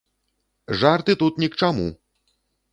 Жарты тут ні к чаму!